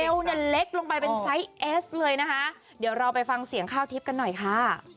เนี่ยเล็กลงไปเป็นไซส์เอสเลยนะคะเดี๋ยวเราไปฟังเสียงข้าวทิพย์กันหน่อยค่ะ